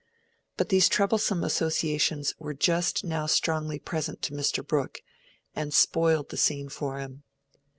But these troublesome associations were just now strongly present to Mr. Brooke, and spoiled the scene for him.